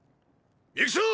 行くぞ！！